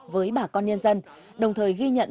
với bà con nhân dân đồng thời ghi nhận